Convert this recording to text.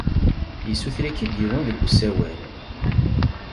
Yessuter-ik-id yiwen deg usawal.